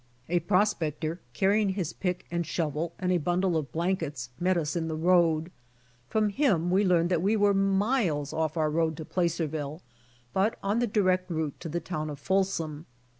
A pros pector carrying his pick and shovel and a bundle of blankets met us in the road. From him we learned that we were miles off our road to Placerville, but on the direct route to the town of Folsom.